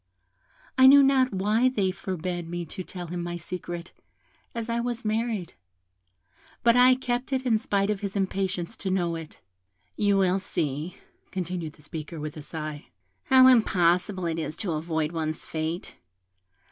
I knew not why they forbad me to tell him my secret, as I was married; but I kept it in spite of his impatience to know it. You will see," continued the speaker, with a sigh, "how impossible it is to avoid one's fate.